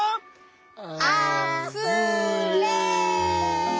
あふれ！